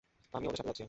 আমি ওদের সাথে যাচ্ছি।